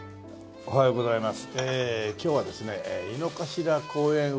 おはようございます。